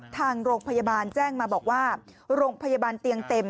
ทางโรงพยาบาลแจ้งมาบอกว่าโรงพยาบาลเตียงเต็ม